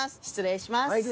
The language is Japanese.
失礼します。